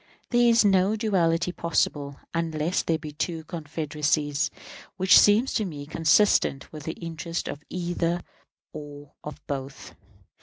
There is no duality possible (unless there be two confederacies) which seems to me consistent with the interests of either or of both.